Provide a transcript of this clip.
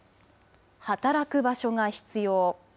働く場所が必要。